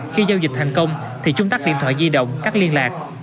khi giao dịch thành công thì chúng tắt điện thoại di động cắt liên lạc